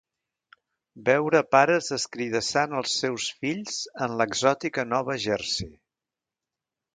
Veure pares escridassant els seus fills en l'exòtica Nova Jersey?